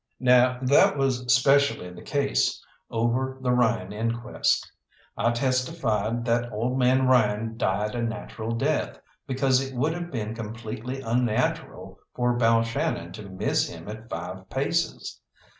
Now that was specially the case over the Ryan inquest. I testified that old man Ryan died a natural death, because it would have been completely unnatural for Balshannon to miss him at five paces.